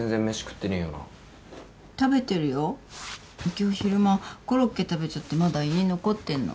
今日昼間コロッケ食べちゃってまだ胃に残ってんの。